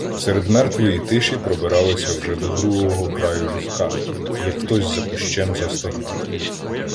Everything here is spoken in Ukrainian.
Серед мертвої тиші пробиралися вже до другого краю ліска, як хтось за кущем застогнав.